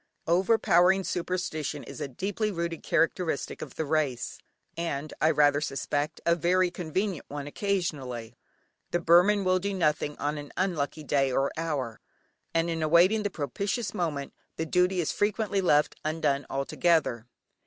Overpowering superstition is a deeply rooted characteristic of the race, and I rather suspect, a very convenient one occasionally. The Burman will do nothing on an unlucky day or hour, and in awaiting the propitious moment, the duty is frequently left undone altogether.